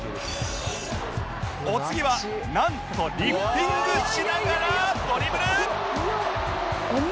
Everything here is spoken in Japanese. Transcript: お次はなんとリフティングしながらドリブル